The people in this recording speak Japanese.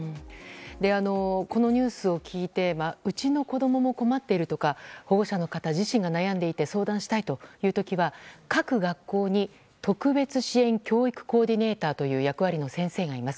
このニュースを聞いてうちの子供も困っているとか保護者の方が悩んでいて相談したいという時は各学校に特別支援教育コーディネーターという役割の先生がいます。